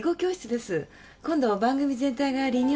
今度番組全体がリニューアル。